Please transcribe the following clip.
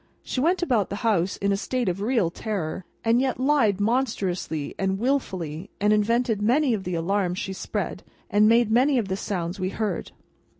She went about the house in a state of real terror, and yet lied monstrously and wilfully, and invented many of the alarms she spread, and made many of the sounds we heard.